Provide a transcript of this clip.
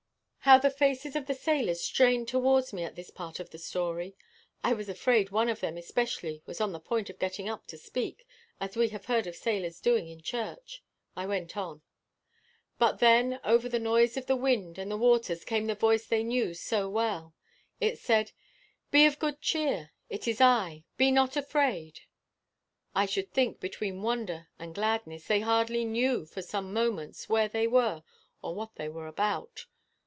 How the faces of the sailors strained towards me at this part of the story! I was afraid one of them especially was on the point of getting up to speak, as we have heard of sailors doing in church. I went on. "But then, over the noise of the wind and the waters came the voice they knew so well. It said, 'Be of good cheer: it is I. Be not afraid.' I should think, between wonder and gladness, they hardly knew for some moments where they were or what they were about.